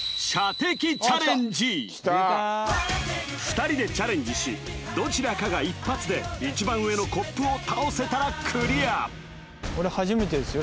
来た２人でチャレンジしどちらかが１発で一番上のコップを倒せたらクリア俺初めてですよ